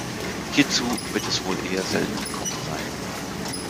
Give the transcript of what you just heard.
Hierzu wird es wohl eher selten gekommen sein.